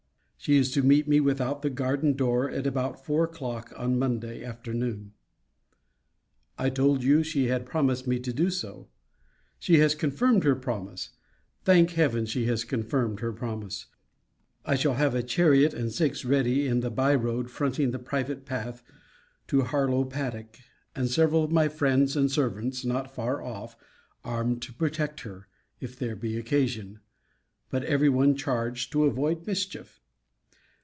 She is to meet me without the garden door at about four o'clock on Monday afternoon. I told you she had promised to do so. She has confirmed her promise. Thank Heaven she has confirmed her promise! I shall have a chariot and six ready in the by road fronting the private path to Harlowe paddock; and several of my friends and servants not far off, armed to protect her, if there be occasion: but every one charged to avoid mischief.